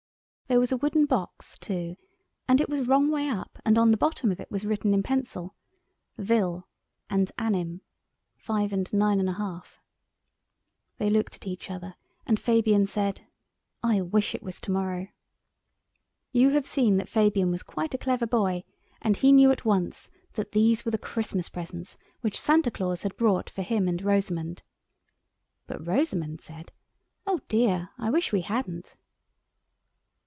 There was a wooden box, too, and it was wrong way up and on the bottom of it was written in pencil, "Vill: and anim: 5/9 1/2." They looked at each other, and Fabian said: "I wish it was to morrow!" You have seen that Fabian was quite a clever boy; and he knew at once that these were the Christmas presents which Santa Claus had brought for him and Rosamund. But Rosamund said, "Oh dear, I wish we hadn't!"